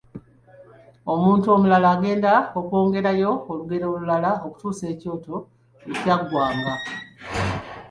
Omuntu omulala agenda okwongerayo olugero olulala okutuusa ekyoto lwe kyaggwanga.